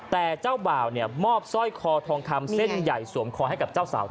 แต่เจ้าบ่าวมอบสร้อยคอทองคำเส้นใหญ่สวมคอให้กับเจ้าสาว